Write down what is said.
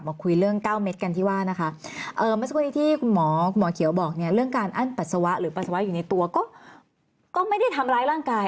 เมื่อสักวันนี้ที่คุณหมอเขียวบอกเรื่องการอั้นปัสสาวะหรือปัสสาวะอยู่ในตัวก็ไม่ได้ทำร้ายร่างกาย